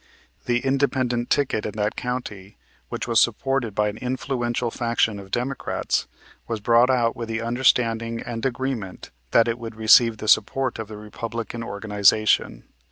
The Independent ticket in that county, which was supported by an influential faction of Democrats, was brought out with the understanding and agreement that it would receive the support of the Republican organization.